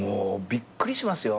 びっくりしますよ。